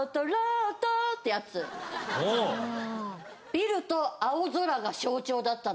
ビルと青空が象徴だったんですよね。